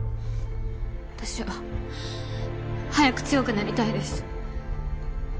私は早く強くなりたいです。